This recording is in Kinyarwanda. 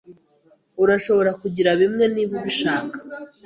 Urashobora kugira bimwe niba ubishaka.